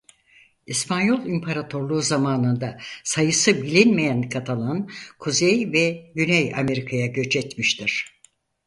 İspanyol İmparatorluğu zamanında sayısı bilinmeyen Katalan Kuzey ve Güney Amerika'ya göç etmiştir.